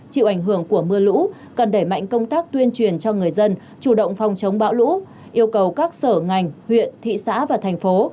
chịu ảnh hưởng của mưa lũ cần đẩy mạnh công tác tuyên truyền cho người dân chủ động phòng chống bão lũ yêu cầu các sở ngành huyện thị xã và thành phố